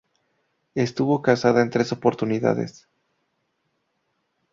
Estuvo casada en tres oportunidades.